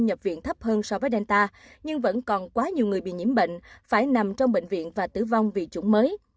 nhập viện thấp hơn so với delta nhưng vẫn còn quá nhiều người bị nhiễm bệnh phải nằm trong bệnh viện và tử vong vì chủng mới